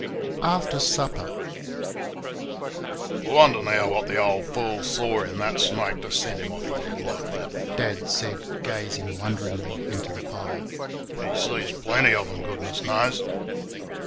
After supper. "I wonder now what the old fool saw in that snake to send him off his head like that?" Dad said, gazing wonderingly into the fire. "He sees plenty of them, goodness knows."